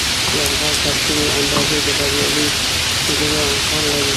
یرغل تر کومې اندازې د بریالي کېدلو امکان لري.